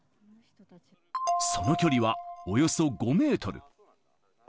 その距離はおよそ５メートル。